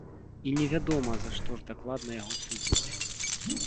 І невядома, за што ж дакладна яго судзяць.